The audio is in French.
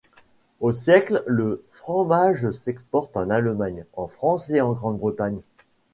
Au siècle, le fromage s'exporte en Allemagne, en France et en Grande-Bretagne.